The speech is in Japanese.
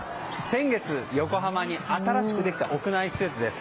先月横浜に新しくできた屋内施設です。